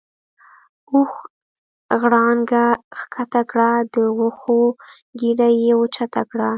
اوښ غړانګه کښته کړه د وښو ګیډۍ یې اوچته کړه.